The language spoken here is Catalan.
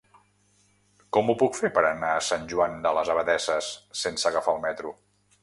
Com ho puc fer per anar a Sant Joan de les Abadesses sense agafar el metro?